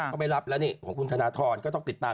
ก็ไม่รับแล้วนี่ของคุณธนทรก็ต้องติดตาม